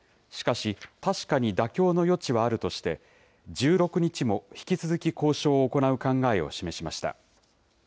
しかし、確かに妥協の余地はあるとして、１６日も引き続き交渉を行う考えを示しました。